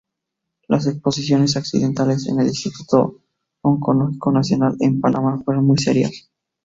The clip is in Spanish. Las exposiciones accidentales en el Instituto Oncológico Nacional en Panamá fueron muy serias.